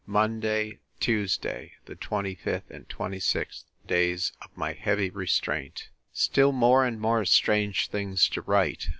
Monday, Tuesday, the 25th and 26th days of my heavy restraint. Still more and more strange things to write!